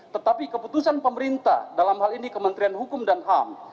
tetapi keputusan pemerintah dalam hal ini kementerian hukum dan ham